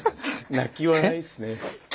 泣き笑いですね。